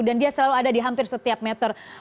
dan dia selalu ada di hampir setiap meter